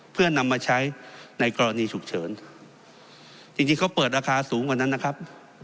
เพื่อนำมาใช้ในกรณีฉุกเฉินจริงจริงเขาเปิดราคาสูงกว่านั้นนะครับ